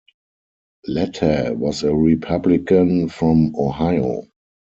Latta was a Republican from Ohio.